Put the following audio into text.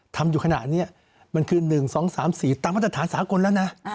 ทำอยู่ขนาดนี้มันคือ๑๒๓๔ตามมาตรฐานสากลแล้วนะ